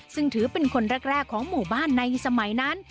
ซึ่งถือเป็นคนแรกของหมู่บ้านในสมัยนั้น